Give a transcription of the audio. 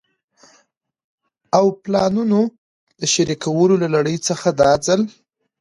او پلانونو د شريکولو له لړۍ څخه دا ځل